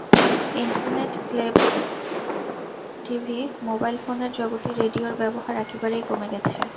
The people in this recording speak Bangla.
ইন্টারনেট, কেব্ল টিভি, মোবাইল ফোনের জগতে রেডিওর ব্যবহার একেবারেই কমে গেছে।